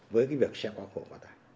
với cái việc xe quá khổ quá tải